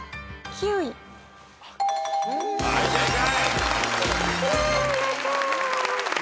はい正解！